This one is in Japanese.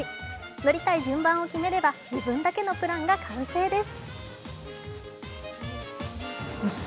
乗りたい順番を決めれば自分だけのプランが完成です。